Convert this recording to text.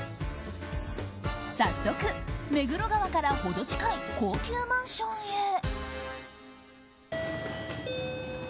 早速、目黒川からほど近い高級マンションへ。